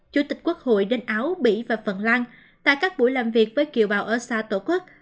chủ tịch quốc hội đến áo bỉ và phần lan tại các buổi làm việc với kiều bào ở xa tổ quốc